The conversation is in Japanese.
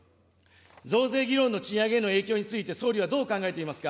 増税議論の賃上げへの影響について、総理はどう考えていますか。